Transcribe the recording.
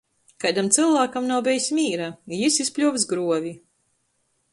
Kaidam cylvākam nav bejs mīra, i jis izpļuovs gruovi.